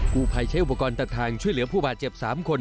ผู้ภัยใช้อุปกรณ์ตัดทางช่วยเหลือผู้บาดเจ็บ๓คน